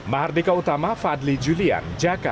mahardika utama fadli julian jakarta